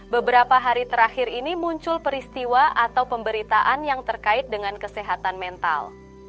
beberapa hari terakhir ini muncul peristiwa atau pemberitaan yang terkait dengan kesehatan mental